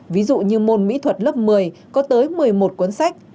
ví dụ như môn mỹ thuật lớp một mươi có tới một mươi một cuốn sách